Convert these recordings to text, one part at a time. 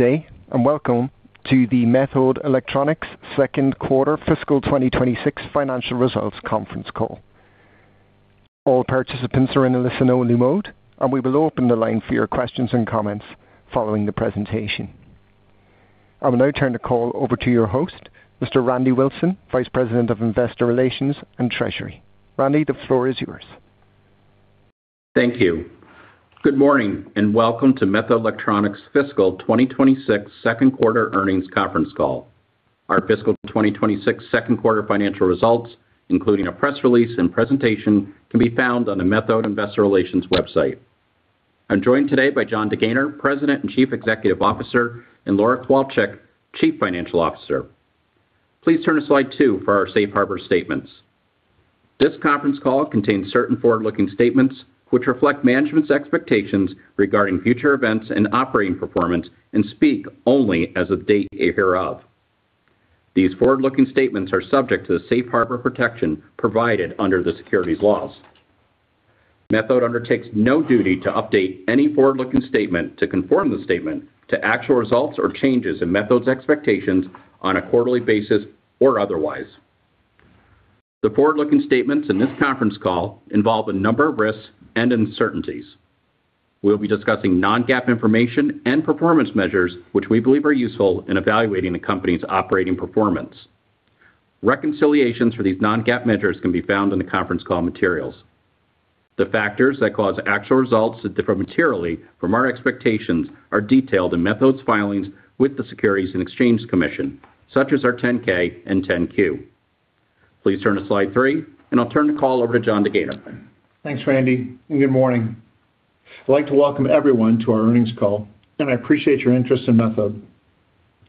Today, and welcome to the Methode Electronics second quarter fiscal 2026 financial results conference call. All participants are in the listen-only mode, and we will open the line for your questions and comments following the presentation. I will now turn the call over to your host, Mr. Randy Wilson, Vice President of Investor Relations and Treasury. Randy, the floor is yours. Thank you. Good morning and welcome to Methode Electronics fiscal 2026 second quarter earnings conference call. Our fiscal 2026 second quarter financial results, including a press release and presentation, can be found on the Methode Investor Relations website. I'm joined today by John DeGaynor, President and Chief Executive Officer, and Laura Kowalchik, Chief Financial Officer. Please turn to slide two for our safe harbor statements. This conference call contains certain forward-looking statements which reflect management's expectations regarding future events and operating performance and speak only as of the date hereof. These forward-looking statements are subject to the safe harbor protection provided under the securities laws. Methode undertakes no duty to update any forward-looking statement to conform the statement to actual results or changes in Methode's expectations on a quarterly basis or otherwise. The forward-looking statements in this conference call involve a number of risks and uncertainties. We'll be discussing non-GAAP information and performance measures which we believe are useful in evaluating the company's operating performance. Reconciliations for these non-GAAP measures can be found in the conference call materials. The factors that cause actual results to differ materially from our expectations are detailed in Methode's filings with the Securities and Exchange Commission, such as our 10-K and 10-Q. Please turn to slide three, and I'll turn the call over to John DeGaynor. Thanks, Randy, and good morning. I'd like to welcome everyone to our earnings call, and I appreciate your interest in Methode.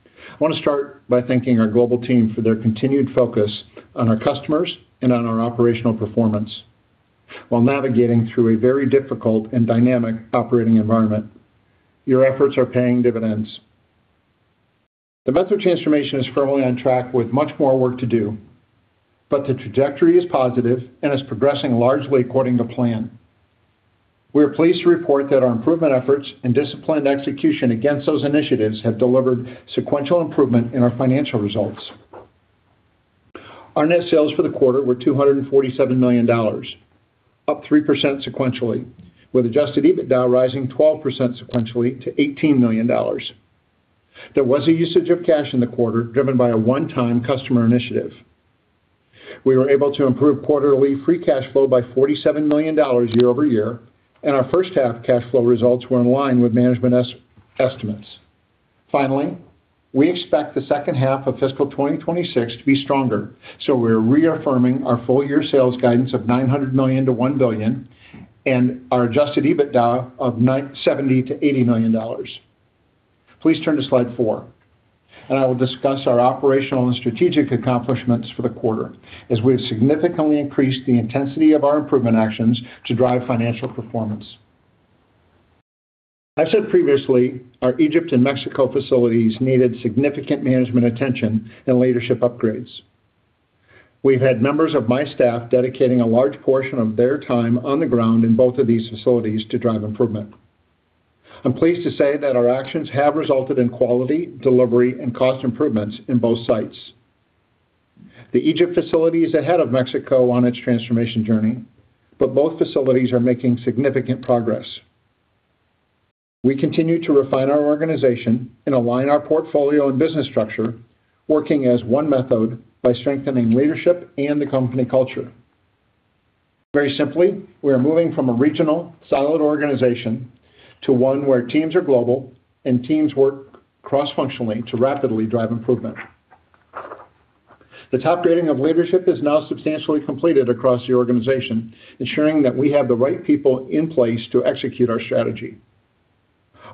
I want to start by thanking our global team for their continued focus on our customers and on our operational performance. While navigating through a very difficult and dynamic operating environment, your efforts are paying dividends. The Methode transformation is firmly on track with much more work to do, but the trajectory is positive and is progressing largely according to plan. We are pleased to report that our improvement efforts and disciplined execution against those initiatives have delivered sequential improvement in our financial results. Our net sales for the quarter were $247 million, up 3% sequentially, with adjusted EBITDA rising 12% sequentially to $18 million. There was a usage of cash in the quarter driven by a one-time customer initiative. We were able to improve quarterly free cash flow by $47 million year-over-year, and our first half cash flow results were in line with management estimates. Finally, we expect the second half of fiscal 2026 to be stronger, so we are reaffirming our full year sales guidance of $900 million-$1 billion and our Adjusted EBITDA of $70-$80 million. Please turn to slide four, and I will discuss our operational and strategic accomplishments for the quarter as we have significantly increased the intensity of our improvement actions to drive financial performance. As said previously, our Egypt and Mexico facilities needed significant management attention and leadership upgrades. We've had members of my staff dedicating a large portion of their time on the ground in both of these facilities to drive improvement. I'm pleased to say that our actions have resulted in quality, delivery, and cost improvements in both sites. The Egypt facility is ahead of Mexico on its transformation journey, but both facilities are making significant progress. We continue to refine our organization and align our portfolio and business structure, working as one Methode by strengthening leadership and the company culture. Very simply, we are moving from a regional, siloed organization to one where teams are global and teams work cross-functionally to rapidly drive improvement. The top grading of leadership is now substantially completed across the organization, ensuring that we have the right people in place to execute our strategy.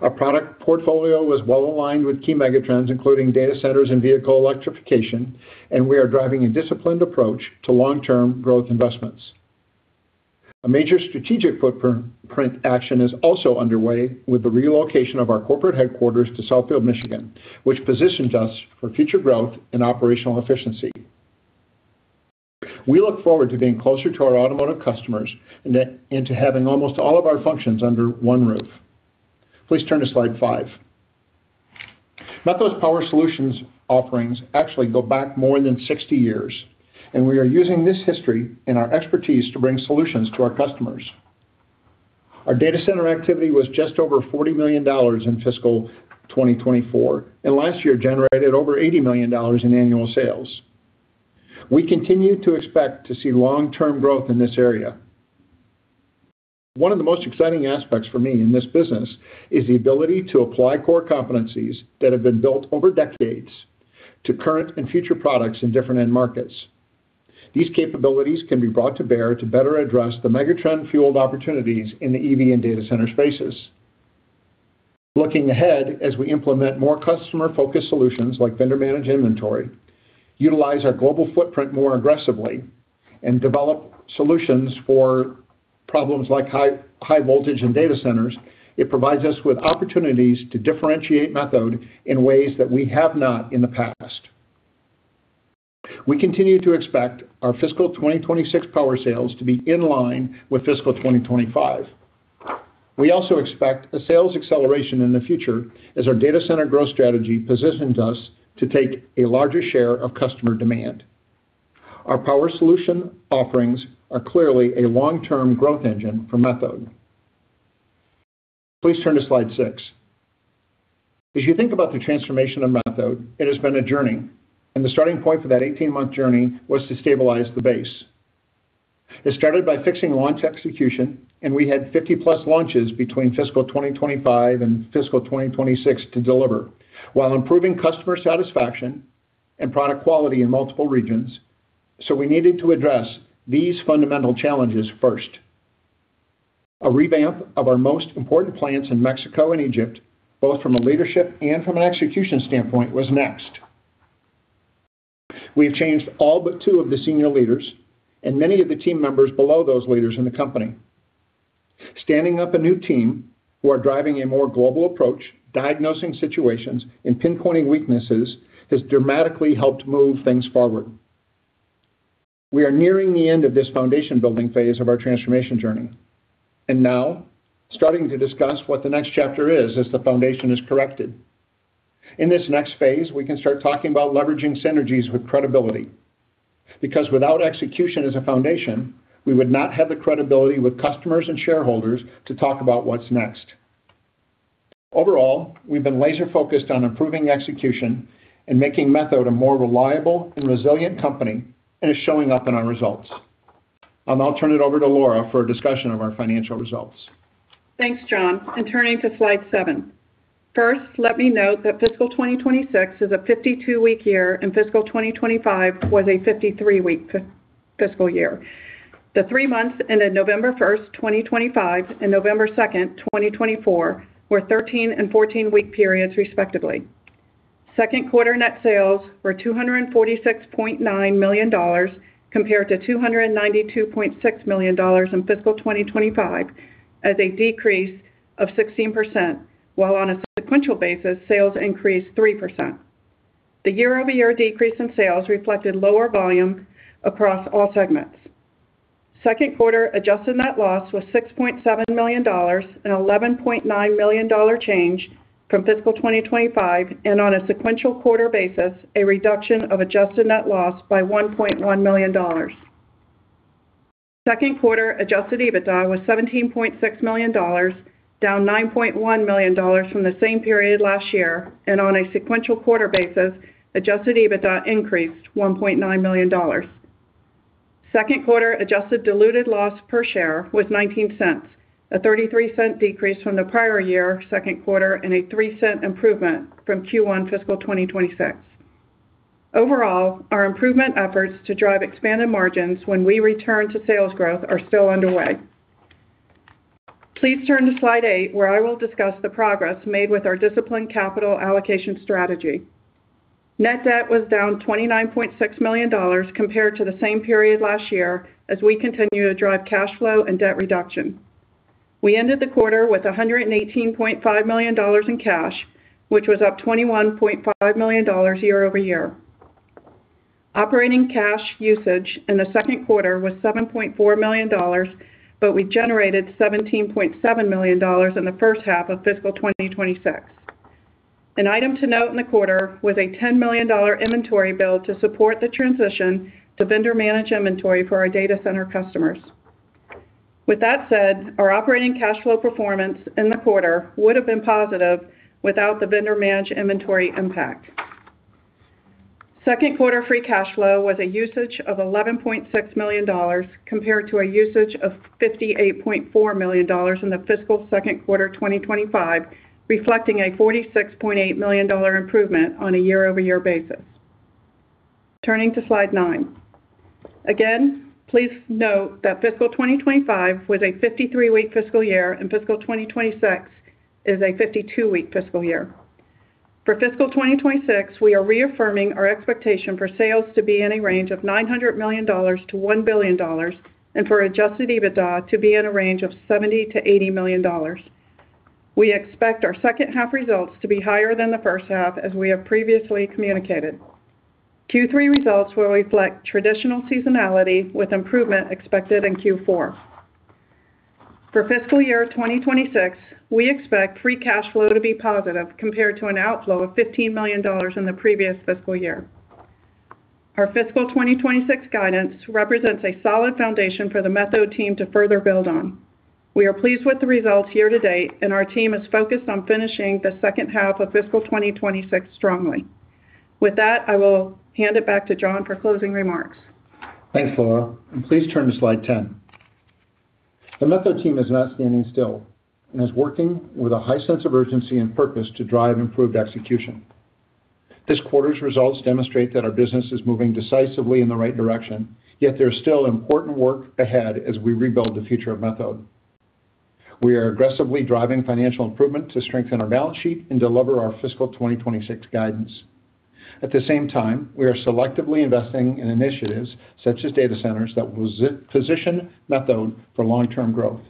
Our product portfolio is well aligned with key megatrends, including data centers and vehicle electrification, and we are driving a disciplined approach to long-term growth investments. A major strategic footprint action is also underway with the relocation of our corporate headquarters to Southfield, Michigan, which positions us for future growth and operational efficiency. We look forward to being closer to our automotive customers and to having almost all of our functions under one roof. Please turn to slide five. Methode's power solutions offerings actually go back more than 60 years, and we are using this history and our expertise to bring solutions to our customers. Our data center activity was just over $40 million in fiscal 2024, and last year generated over $80 million in annual sales. We continue to expect to see long-term growth in this area. One of the most exciting aspects for me in this business is the ability to apply core competencies that have been built over decades to current and future products in different end markets. These capabilities can be brought to bear to better address the megatrend-fueled opportunities in the EV and data center spaces. Looking ahead as we implement more customer-focused solutions like vendor-managed inventory, utilize our global footprint more aggressively, and develop solutions for problems like high voltage in data centers, it provides us with opportunities to differentiate Methode in ways that we have not in the past. We continue to expect our fiscal 2026 power sales to be in line with fiscal 2025. We also expect a sales acceleration in the future as our data center growth strategy positions us to take a larger share of customer demand. Our power solution offerings are clearly a long-term growth engine for Methode. Please turn to slide six. As you think about the transformation of Methode, it has been a journey, and the starting point for that 18-month journey was to stabilize the base. It started by fixing launch execution, and we had 50-plus launches between fiscal 2025 and fiscal 2026 to deliver, while improving customer satisfaction and product quality in multiple regions, so we needed to address these fundamental challenges first. A revamp of our most important plants in Mexico and Egypt, both from a leadership and from an execution standpoint, was next. We have changed all but two of the senior leaders and many of the team members below those leaders in the company. Standing up a new team who are driving a more global approach, diagnosing situations, and pinpointing weaknesses has dramatically helped move things forward. We are nearing the end of this foundation-building phase of our transformation journey, and now starting to discuss what the next chapter is as the foundation is corrected. In this next phase, we can start talking about leveraging synergies with credibility because without execution as a foundation, we would not have the credibility with customers and shareholders to talk about what's next. Overall, we've been laser-focused on improving execution and making Methode a more reliable and resilient company, and it's showing up in our results. I'll now turn it over to Laura for a discussion of our financial results. Thanks, John, and turning to slide seven. First, let me note that fiscal 2026 is a 52-week year, and fiscal 2025 was a 53-week fiscal year. The three months ended November 1st, 2025, and November 2nd, 2024, were 13- and 14-week periods respectively. Second quarter net sales were $246.9 million compared to $292.6 million in fiscal 2025, as a decrease of 16%, while on a sequential basis, sales increased 3%. The year-over-year decrease in sales reflected lower volume across all segments. Second quarter adjusted net loss was $6.7 million, a $11.9 million change from fiscal 2025, and on a sequential quarter basis, a reduction of adjusted net loss by $1.1 million. Second quarter Adjusted EBITDA was $17.6 million, down $9.1 million from the same period last year, and on a sequential quarter basis, Adjusted EBITDA increased $1.9 million. Second quarter adjusted diluted loss per share was $0.19, a $0.33 decrease from the prior year second quarter and a $0.03 improvement from Q1 fiscal 2026. Overall, our improvement efforts to drive expanded margins when we return to sales growth are still underway. Please turn to slide eight, where I will discuss the progress made with our disciplined capital allocation strategy. Net debt was down $29.6 million compared to the same period last year as we continue to drive cash flow and debt reduction. We ended the quarter with $118.5 million in cash, which was up $21.5 million year-over year. Operating cash usage in the second quarter was $7.4 million, but we generated $17.7 million in the first half of fiscal 2026. An item to note in the quarter was a $10 million inventory bill to support the transition to vendor-managed inventory for our data center customers. With that said, our operating cash flow performance in the quarter would have been positive without the vendor-managed inventory impact. Second quarter free cash flow was a usage of $11.6 million compared to a usage of $58.4 million in the fiscal second quarter 2025, reflecting a $46.8 million improvement on a year-over-year basis. Turning to slide nine. Again, please note that fiscal 2025 was a 53-week fiscal year and fiscal 2026 is a 52-week fiscal year. For fiscal 2026, we are reaffirming our expectation for sales to be in a range of $900 million-$1 billion and for Adjusted EBITDA to be in a range of $70-$80 million. We expect our second half results to be higher than the first half, as we have previously communicated. Q3 results will reflect traditional seasonality with improvement expected in Q4. For fiscal year 2026, we expect free cash flow to be positive compared to an outflow of $15 million in the previous fiscal year. Our fiscal 2026 guidance represents a solid foundation for the Methode team to further build on. We are pleased with the results year to date, and our team is focused on finishing the second half of fiscal 2026 strongly. With that, I will hand it back to John for closing remarks. Thanks, Laura. Please turn to slide 10. The Methode team is not standing still and is working with a high sense of urgency and purpose to drive improved execution. This quarter's results demonstrate that our business is moving decisively in the right direction, yet there is still important work ahead as we rebuild the future of Methode. We are aggressively driving financial improvement to strengthen our balance sheet and deliver our fiscal 2026 guidance. At the same time, we are selectively investing in initiatives such as data centers that will position Methode for long-term growth.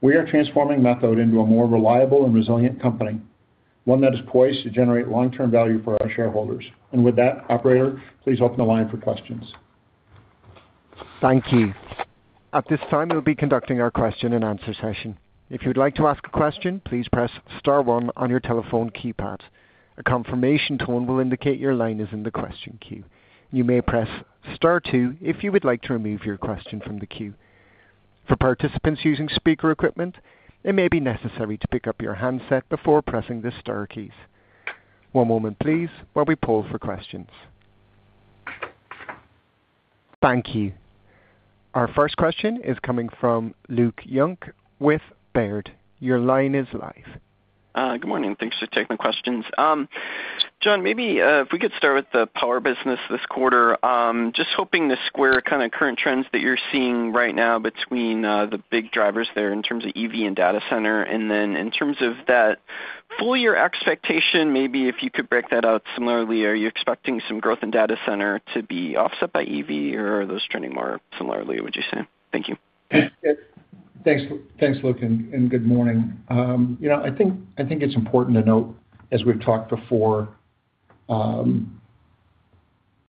We are transforming Methode into a more reliable and resilient company, one that is poised to generate long-term value for our shareholders. With that, operator, please open the line for questions. Thank you. At this time, we'll be conducting our question-and-answer session. If you'd like to ask a question, please press star one on your telephone keypad. A confirmation tone will indicate your line is in the question queue. You may press star two if you would like to remove your question from the queue. For participants using speaker equipment, it may be necessary to pick up your handset before pressing the star keys. One moment, please, while we poll for questions. Thank you. Our first question is coming from Luke Young with Baird. Your line is live. Good morning. Thanks for taking the questions. John, maybe if we could start with the power business this quarter. Just hoping to square kind of current trends that you're seeing right now between the big drivers there in terms of EV and data center, and then in terms of that full year expectation, maybe if you could break that out similarly, are you expecting some growth in data center to be offset by EV, or are those trending more similarly, would you say? Thank you. Thanks, Luke, and good morning. I think it's important to note, as we've talked before,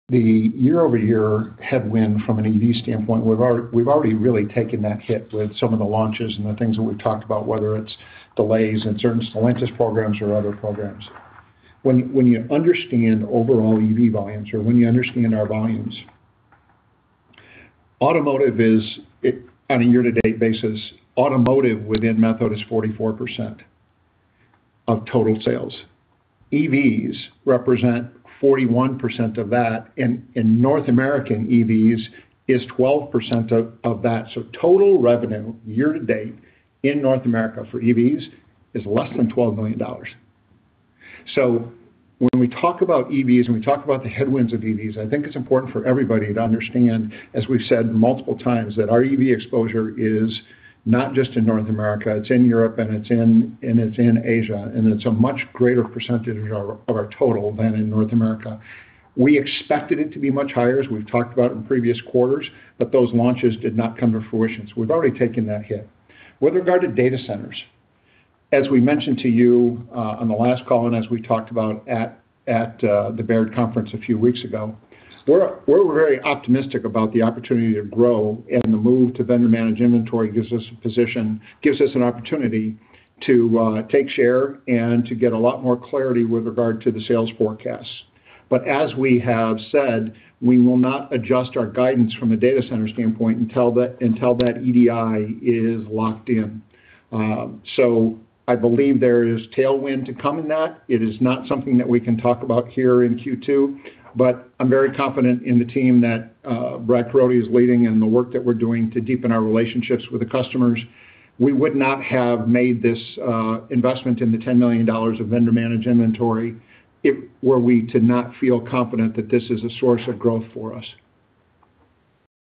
the year-over-year headwind from an EV standpoint, we've already really taken that hit with some of the launches and the things that we've talked about, whether it's delays in certain Stellantis programs or other programs. When you understand overall EV volumes or when you understand our volumes, automotive is, on a year-to-date basis, automotive within Methode is 44% of total sales. EVs represent 41% of that, and in North America, EVs is 12% of that. So total revenue year-to-date in North America for EVs is less than $12 million. So when we talk about EVs and we talk about the headwinds of EVs, I think it's important for everybody to understand, as we've said multiple times, that our EV exposure is not just in North America, it's in Europe, and it's in Asia, and it's a much greater percentage of our total than in North America. We expected it to be much higher, as we've talked about in previous quarters, but those launches did not come to fruition. So we've already taken that hit. With regard to data centers, as we mentioned to you on the last call and as we talked about at the Baird conference a few weeks ago, we're very optimistic about the opportunity to grow, and the move to vendor-managed inventory gives us an opportunity to take share and to get a lot more clarity with regard to the sales forecasts. But as we have said, we will not adjust our guidance from a data center standpoint until that EDI is locked in. So I believe there is tailwind to come in that. It is not something that we can talk about here in Q2, but I'm very confident in the team that Brett Brody is leading and the work that we're doing to deepen our relationships with the customers. We would not have made this investment in the $10 million of vendor-managed inventory were we to not feel confident that this is a source of growth for us.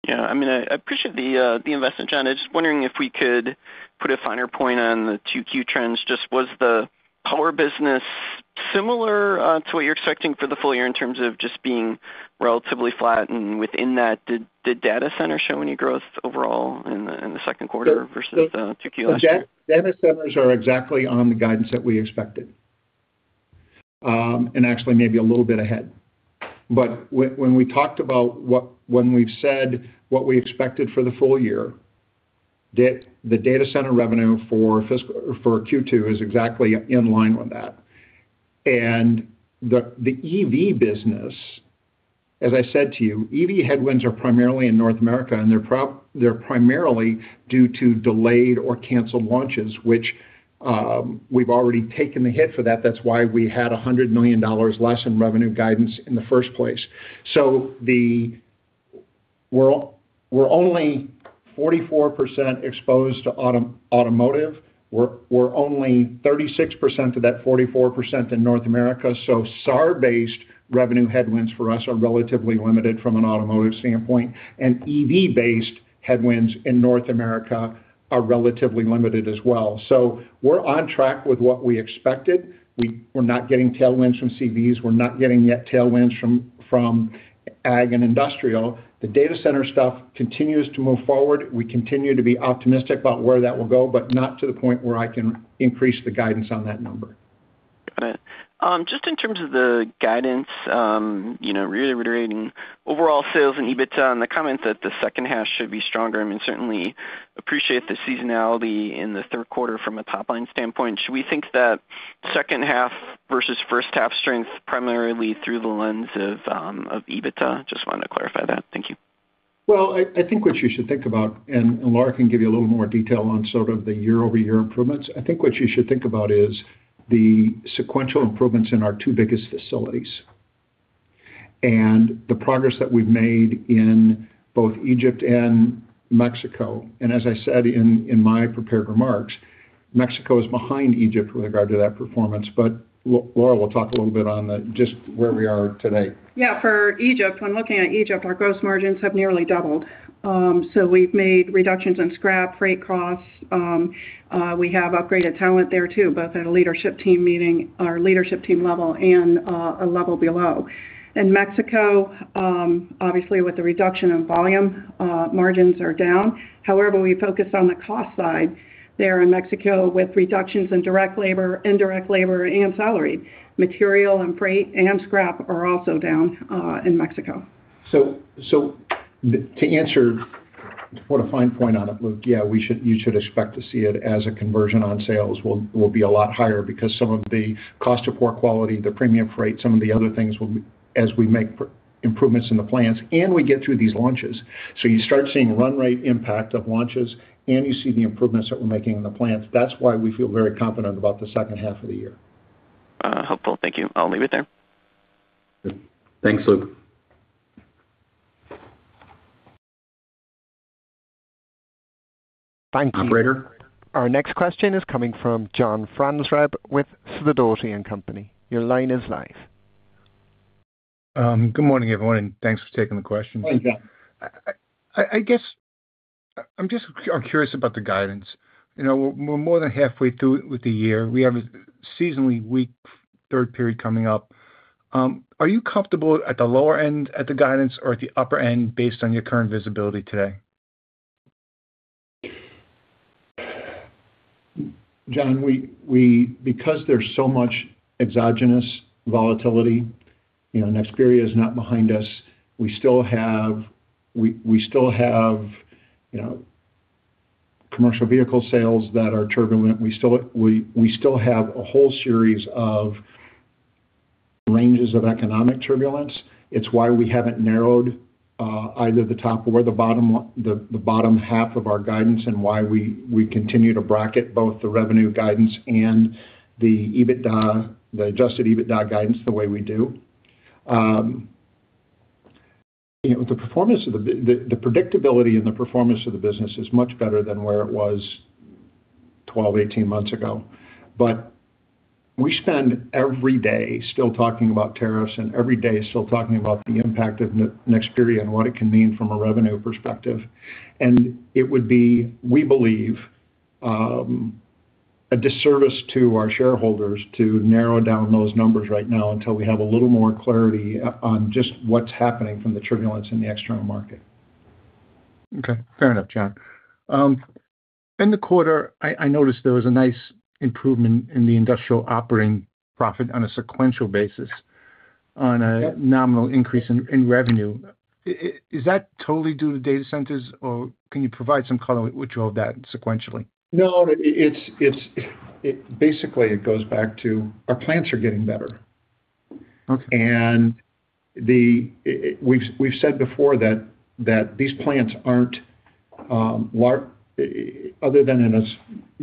Yeah. I mean, I appreciate the investment, John. I was just wondering if we could put a finer point on the Q2 trends. Just was the power business similar to what you're expecting for the full year in terms of just being relatively flat? And within that, did data centers show any growth overall in the second quarter versus the Q2 last year? Data centers are exactly on the guidance that we expected and actually maybe a little bit ahead. But when we talked about when we've said what we expected for the full year, the data center revenue for Q2 is exactly in line with that. And the EV business, as I said to you, EV headwinds are primarily in North America, and they're primarily due to delayed or canceled launches, which we've already taken the hit for that. That's why we had $100 million less in revenue guidance in the first place. So we're only 44% exposed to automotive. We're only 36% of that 44% in North America. So SAR-based revenue headwinds for us are relatively limited from an automotive standpoint, and EV-based headwinds in North America are relatively limited as well. So we're on track with what we expected. We're not getting tailwinds from CVs. We're not getting yet tailwinds from Ag and Industrial. The data center stuff continues to move forward. We continue to be optimistic about where that will go, but not to the point where I can increase the guidance on that number. Got it. Just in terms of the guidance, reiterating overall sales and EBITDA, and the comments that the second half should be stronger, I mean, certainly appreciate the seasonality in the third quarter from a top-line standpoint. Should we think that second half versus first half strength primarily through the lens of EBITDA? Just wanted to clarify that. Thank you. I think what you should think about, and Laura can give you a little more detail on sort of the year-over-year improvements. I think what you should think about is the sequential improvements in our two biggest facilities and the progress that we've made in both Egypt and Mexico. As I said in my prepared remarks, Mexico is behind Egypt with regard to that performance, but Laura will talk a little bit on just where we are today. Yeah. For Egypt, when looking at Egypt, our gross margins have nearly doubled. So we've made reductions in scrap, freight costs. We have upgraded talent there too, both at a leadership team meeting or leadership team level and a level below. In Mexico, obviously, with the reduction in volume, margins are down. However, we focus on the cost side there in Mexico with reductions in direct labor, indirect labor, and salary. Material and freight and scrap are also down in Mexico. So, to answer, to put a fine point on it, Luke, yeah, you should expect to see it as a conversion on sales will be a lot higher because some of the cost of poor quality, the premium freight, some of the other things will be as we make improvements in the plants and we get through these launches. So you start seeing run rate impact of launches, and you see the improvements that we're making in the plants. That's why we feel very confident about the second half of the year. Helpful. Thank you. I'll leave it there. Thanks, Luke. Thank you, operator. Our next question is coming from John Franzreb with Sidoti & Company. Your line is live. Good morning, everyone, and thanks for taking the question. Morning, John. I guess I'm just curious about the guidance. We're more than halfway through with the year. We have a seasonally weak third quarter coming up. Are you comfortable at the lower end of the guidance or at the upper end based on your current visibility today? John, because there's so much exogenous volatility, Nexperia is not behind us. We still have commercial vehicle sales that are turbulent. We still have a whole series of ranges of economic turbulence. It's why we haven't narrowed either the top or the bottom half of our guidance and why we continue to bracket both the revenue guidance and the Adjusted EBITDA guidance the way we do. The performance of the predictability and the performance of the business is much better than where it was 12, 18 months ago. But we spend every day still talking about tariffs and every day still talking about the impact of Nexperia and what it can mean from a revenue perspective. It would be, we believe, a disservice to our shareholders to narrow down those numbers right now until we have a little more clarity on just what's happening from the turbulence in the external market. Okay. Fair enough, John. In the quarter, I noticed there was a nice improvement in the industrial operating profit on a sequential basis on a nominal increase in revenue. Is that totally due to data centers, or can you provide some color which of that sequentially? No. Basically, it goes back to our plants are getting better, and we've said before that these plants aren't, other than in a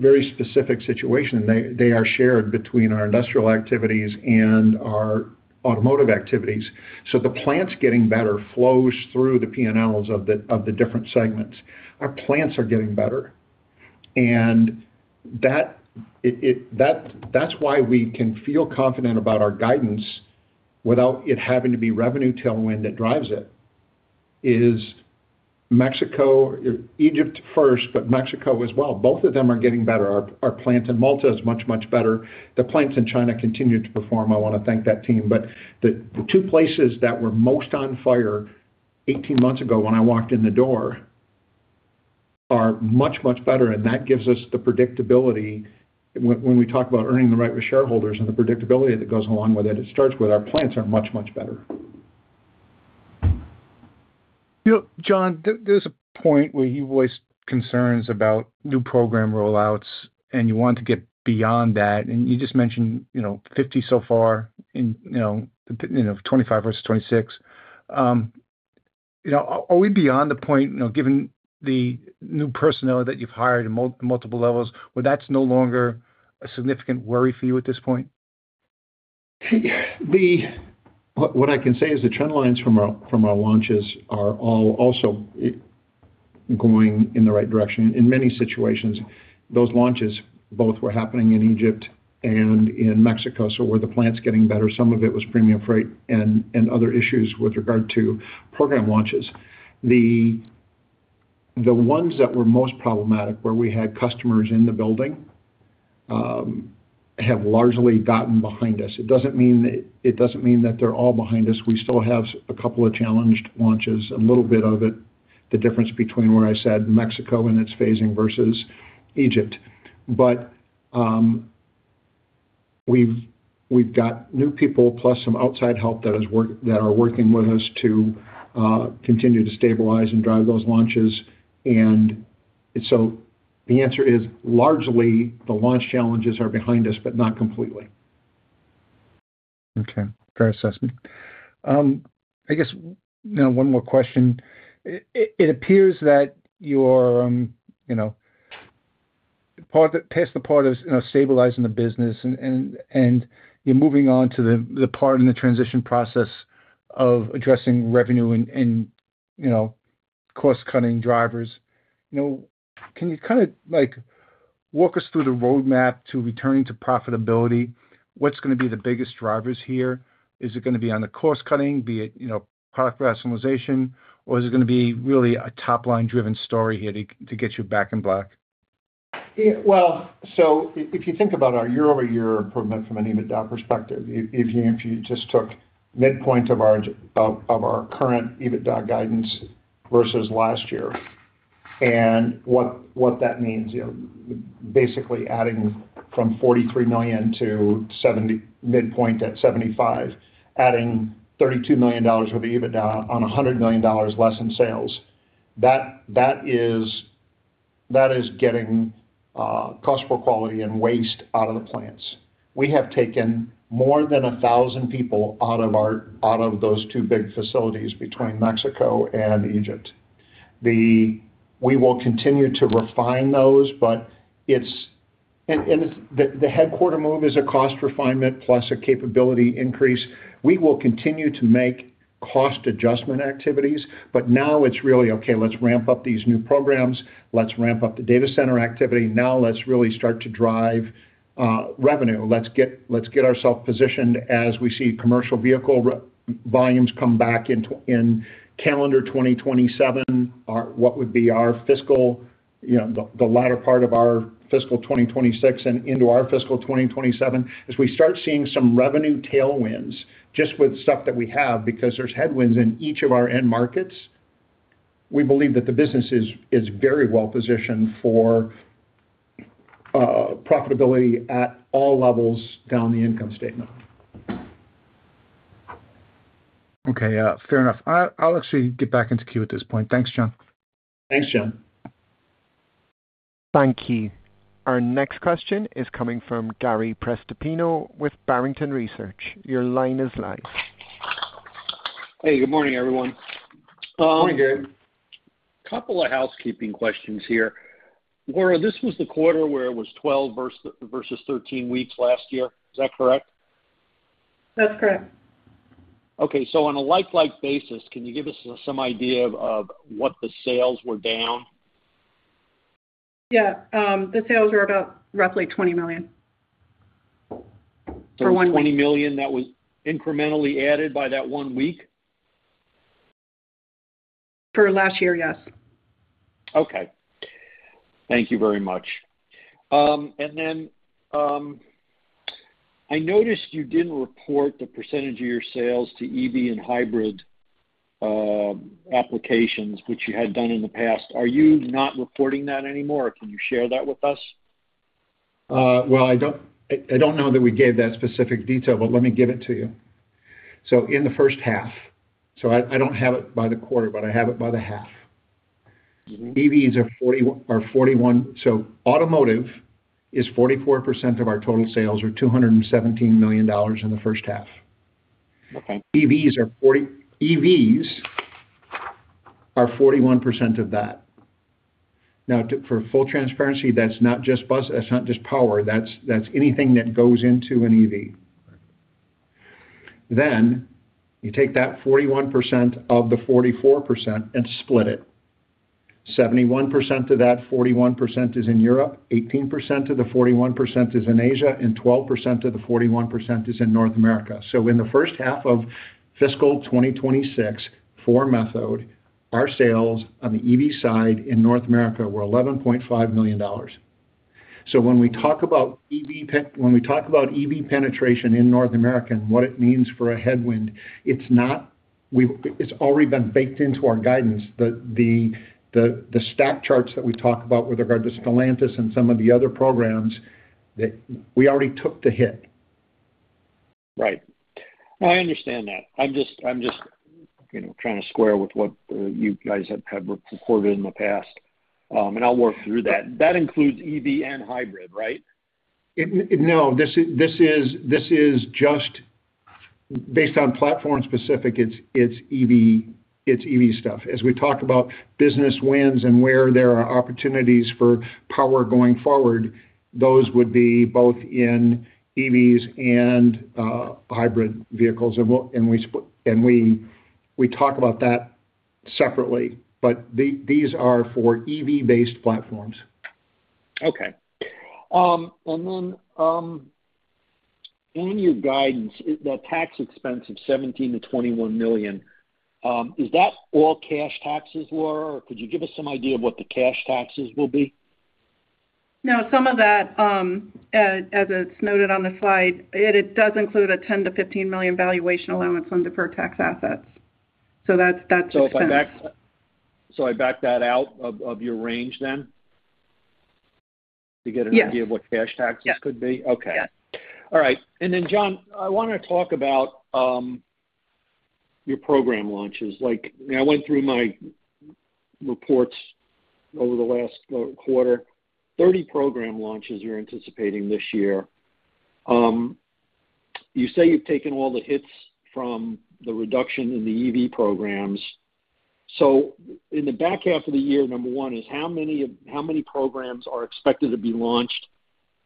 very specific situation, they are shared between our industrial activities and our automotive activities, so the plants getting better flows through the P&Ls of the different segments. Our plants are getting better, and that's why we can feel confident about our guidance without it having to be revenue tailwind that drives it is Mexico, Egypt first, but Mexico as well. Both of them are getting better. Our plant in Malta is much, much better. The plants in China continue to perform. I want to thank that team, but the two places that were most on fire 18 months ago when I walked in the door are much, much better. And that gives us the predictability when we talk about earning the right with shareholders and the predictability that goes along with it. It starts with our plants are much, much better. John, there's a point where you voiced concerns about new program rollouts, and you want to get beyond that, and you just mentioned 50 so far in 2025 versus 2026. Are we beyond the point, given the new personnel that you've hired in multiple levels, where that's no longer a significant worry for you at this point? What I can say is the trend lines from our launches are all also going in the right direction. In many situations, those launches both were happening in Egypt and in Mexico. So were the plants getting better? Some of it was premium freight and other issues with regard to program launches. The ones that were most problematic where we had customers in the building have largely gotten behind us. It doesn't mean that they're all behind us. We still have a couple of challenged launches, a little bit of it, the difference between where I said Mexico and its phasing versus Egypt. But we've got new people plus some outside help that are working with us to continue to stabilize and drive those launches. And so the answer is largely the launch challenges are behind us, but not completely. Okay. Fair assessment. I guess one more question. It appears that you're past the part of stabilizing the business, and you're moving on to the part in the transition process of addressing revenue and cost-cutting drivers. Can you kind of walk us through the roadmap to returning to profitability? What's going to be the biggest drivers here? Is it going to be on the cost-cutting, be it product rationalization, or is it going to be really a top-line-driven story here to get you back in black? So if you think about our year-over-year improvement from an EBITDA perspective, if you just took midpoint of our current EBITDA guidance versus last year and what that means, basically adding from $43 million to midpoint at $75 million, adding $32 million with EBITDA on $100 million less in sales, that is getting cost for quality and waste out of the plants. We have taken more than 1,000 people out of those two big facilities between Mexico and Egypt. We will continue to refine those, but the headquarters move is a cost refinement plus a capability increase. We will continue to make cost adjustment activities, but now it's really, okay, let's ramp up these new programs. Let's ramp up the data center activity. Now let's really start to drive revenue. Let's get ourselves positioned as we see commercial vehicle volumes come back in calendar 2027, what would be the latter part of our fiscal 2026 and into our fiscal 2027. As we start seeing some revenue tailwinds just with stuff that we have because there's headwinds in each of our end markets, we believe that the business is very well positioned for profitability at all levels down the income statement. Okay. Fair enough. I'll actually get back into Q at this point. Thanks, John. Thanks, John. Thank you. Our next question is coming from Gary Prestopino with Barrington Research. Your line is live. Hey, good morning, everyone. Morning, Gary. A couple of housekeeping questions here. Laura, this was the quarter where it was 12 versus 13 weeks last year. Is that correct? That's correct. Okay. So on a like-like basis, can you give us some idea of what the sales were down? Yeah. The sales were about roughly $20 million for one week. So $20 million that was incrementally added by that one week? For last year, yes. Okay. Thank you very much. And then I noticed you didn't report the percentage of your sales to EV and hybrid applications, which you had done in the past. Are you not reporting that anymore? Can you share that with us? I don't know that we gave that specific detail, but let me give it to you. In the first half, so I don't have it by the quarter, but I have it by the half. EVs are 41%. Automotive is 44% of our total sales or $217 million in the first half. EVs are 41% of that. Now, for full transparency, that's not just power. That's anything that goes into an EV. You take that 41% of the 44% and split it. 71% of that 41% is in Europe, 18% of the 41% is in Asia, and 12% of the 41% is in North America. In the first half of fiscal 2026 for Methode, our sales on the EV side in North America were $11.5 million. When we talk about EV, when we talk about EV penetration in North America and what it means for a headwind, it's already been baked into our guidance. The stack charts that we talk about with regard to Stellantis and some of the other programs, we already took the hit. Right. I understand that. I'm just trying to square with what you guys have reported in the past, and I'll work through that. That includes EV and hybrid, right? No. This is just based on platform-specific. It's EV stuff. As we talk about business wins and where there are opportunities for power going forward, those would be both in EVs and hybrid vehicles, and we talk about that separately, but these are for EV-based platforms. Okay. And then in your guidance, the tax expense of $17 million-$21 million, is that all cash taxes, Laura? Or could you give us some idea of what the cash taxes will be? No. Some of that, as it's noted on the slide, it does include a $10 million-$15 million valuation allowance on deferred tax assets. So that's expenses. So I back that out of your range then to get an idea of what cash taxes could be? Yes. Okay. All right. And then, John, I want to talk about your program launches. I went through my reports over the last quarter. 30 program launches you're anticipating this year. You say you've taken all the hits from the reduction in the EV programs. So in the back half of the year, number one is how many programs are expected to be launched?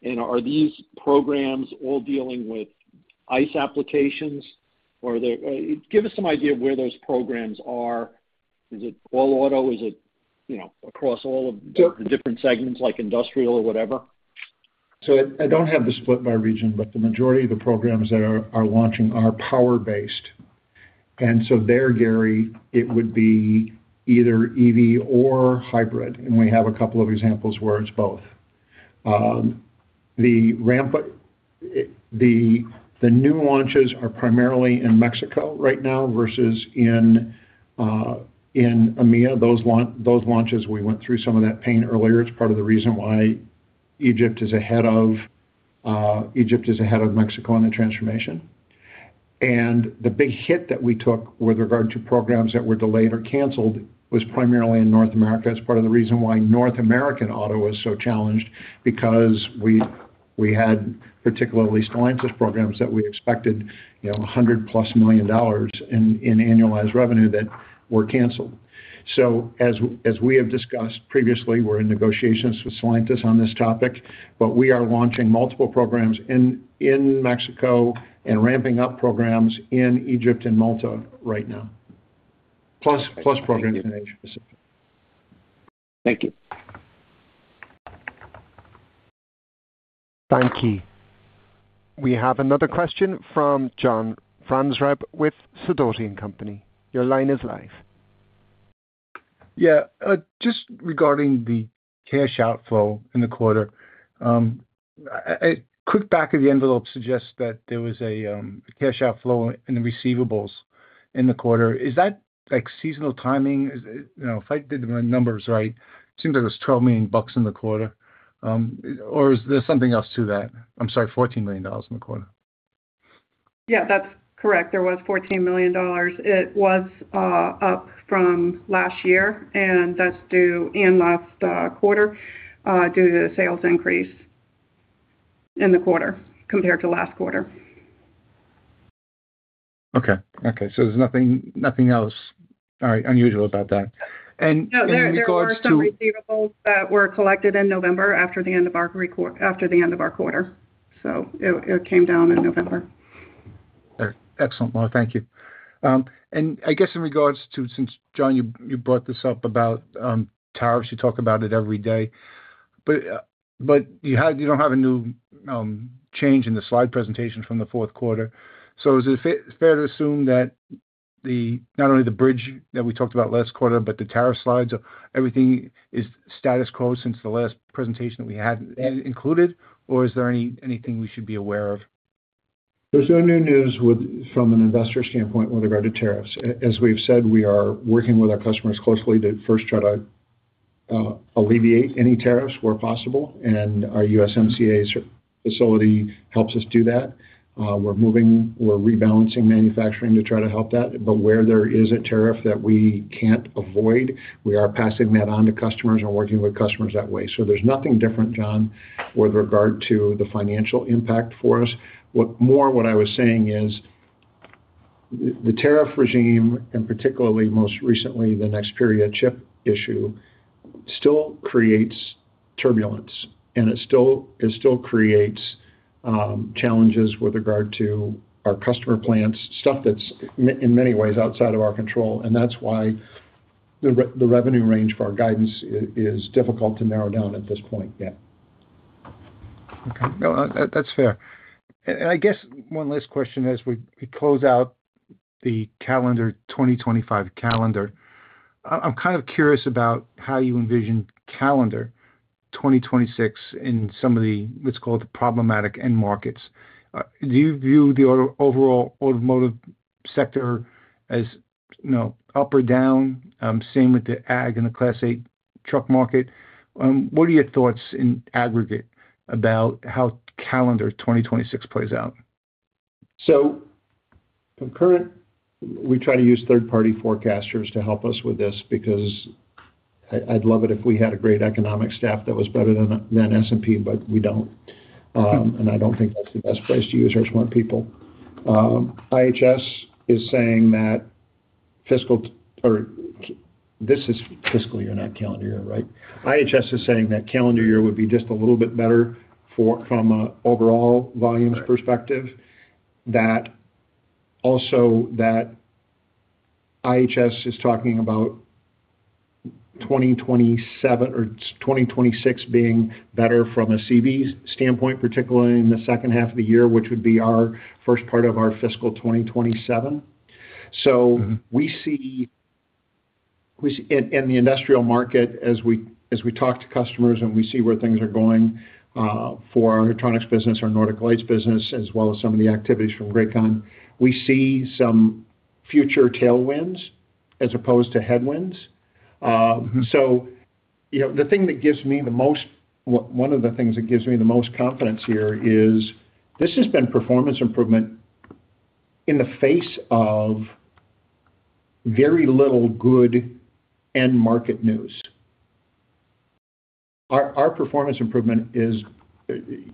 And are these programs all dealing with ICE applications? Give us some idea of where those programs are. Is it all auto? Is it across all of the different segments like industrial or whatever? So I don't have the split by region, but the majority of the programs that are launching are power-based. And so there, Gary, it would be either EV or hybrid. And we have a couple of examples where it's both. The new launches are primarily in Mexico right now versus in EMEA. Those launches, we went through some of that pain earlier. It's part of the reason why Egypt is ahead of Mexico in the transformation. And the big hit that we took with regard to programs that were delayed or canceled was primarily in North America. It's part of the reason why North American auto is so challenged because we had, particularly Stellantis programs, that we expected $100-plus million in annualized revenue that were canceled. So as we have discussed previously, we're in negotiations with Stellantis on this topic, but we are launching multiple programs in Mexico and ramping up programs in Egypt and Malta right now, plus programs in Asia Pacific. Thank you. Thank you. We have another question from John Franzreb with Sidoti & Company. Your line is live. Yeah. Just regarding the cash outflow in the quarter, a quick back of the envelope suggests that there was a cash outflow in the receivables in the quarter. Is that seasonal timing? If I did my numbers right, it seems like it was $12 million in the quarter. Or is there something else to that? I'm sorry, $14 million in the quarter. Yeah, that's correct. There was $14 million. It was up from last year, and that's due in last quarter due to the sales increase in the quarter compared to last quarter. Okay. So there's nothing else unusual about that. And in regards to. No, there are some receivables that were collected in November after the end of our quarter. So it came down in November. Excellent. Well, thank you, and I guess in regards to, since John, you brought this up about tariffs, you talk about it every day, but you don't have a new change in the slide presentation from the fourth quarter. So is it fair to assume that not only the bridge that we talked about last quarter, but the tariff slides, everything is status quo since the last presentation that we had included, or is there anything we should be aware of? There's no new news from an investor standpoint with regard to tariffs. As we've said, we are working with our customers closely to first try to alleviate any tariffs where possible. And our USMCA facility helps us do that. We're rebalancing manufacturing to try to help that. But where there is a tariff that we can't avoid, we are passing that on to customers and working with customers that way. So there's nothing different, John, with regard to the financial impact for us. More what I was saying is the tariff regime, and particularly most recently the next period chip issue, still creates turbulence, and it still creates challenges with regard to our customer plants, stuff that's in many ways outside of our control. And that's why the revenue range for our guidance is difficult to narrow down at this point yet. Okay. No, that's fair. And I guess one last question as we close out the 2025 calendar. I'm kind of curious about how you envision calendar 2026 in some of the, let's call it the problematic end markets. Do you view the overall automotive sector as up or down, same with the ag and the Class 8 truck market? What are your thoughts in aggregate about how calendar 2026 plays out? So, concurrently, we try to use third-party forecasters to help us with this because I'd love it if we had a great economic staff that was better than S&P, but we don't, and I don't think that's the best place to use our smart people. IHS is saying that fiscal, or this is fiscal year not calendar year, right? IHS is saying that calendar year would be just a little bit better from an overall volumes perspective. Also, that IHS is talking about 2026 being better from a CV standpoint, particularly in the second half of the year, which would be our first part of our fiscal 2027. So we see in the industrial market, as we talk to customers and we see where things are going for our hydronics business, our Nordic Lights business, as well as some of the activities from Grakon, we see some future tailwinds as opposed to headwinds. So the thing that gives me the most, one of the things that gives me the most confidence here is this has been performance improvement in the face of very little good end market news. Our performance improvement is,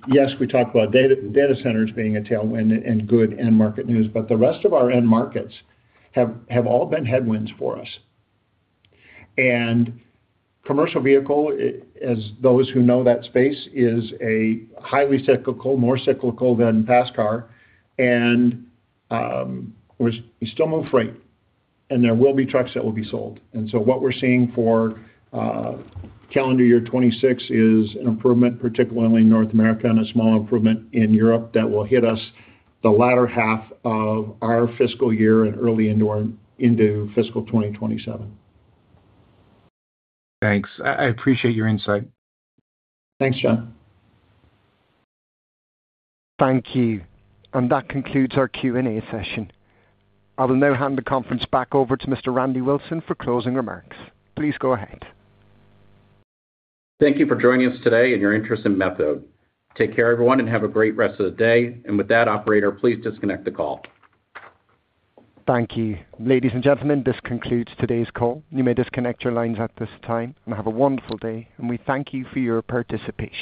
yes, we talk about data centers being a tailwind and good end market news, but the rest of our end markets have all been headwinds for us, and commercial vehicle, as those who know that space, is a highly cyclical, more cyclical than passenger car, and we still move freight, and there will be trucks that will be sold. What we're seeing for calendar year 2026 is an improvement, particularly in North America and a small improvement in Europe that will hit us the latter half of our fiscal year and early into fiscal 2027. Thanks. I appreciate your insight. Thanks, John. Thank you, and that concludes our Q&A session. I will now hand the conference back over to Mr. Randy Wilson for closing remarks. Please go ahead. Thank you for joining us today and your interest in Methode. Take care, everyone, and have a great rest of the day, and with that, operator, please disconnect the call. Thank you. Ladies and gentlemen, this concludes today's call. You may disconnect your lines at this time. And have a wonderful day. And we thank you for your participation.